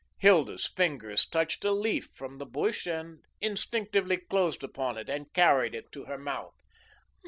Hilda's fingers touched a leaf from the bush and instinctively closed upon it and carried it to her mouth.